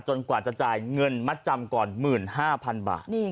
กว่าจะจ่ายเงินมัดจำก่อน๑๕๐๐๐บาท